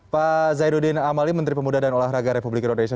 pak zainuddin amali menteri pemuda dan olahraga republik indonesia